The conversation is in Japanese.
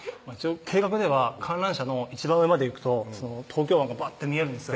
計画では観覧車の一番上まで行くと東京湾がばって見えるんですよ